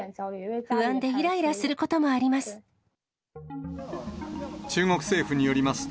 不安でいらいらすることもあります。